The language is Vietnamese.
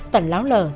tẩn lão l